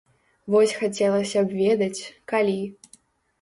Вось хацелася б ведаць, калі.